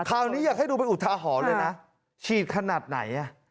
คราวนี้อยากให้ดูเป็นอุทาหรณ์เลยนะฉีดขนาดไหน